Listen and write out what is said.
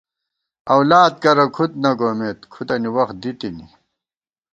اؤلاد کرہ کُھد نہ گومېت ،کُھدَنی وَخ دِی تِنی